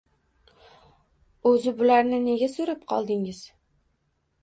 O`zi, bularni nega so`rab qoldingiz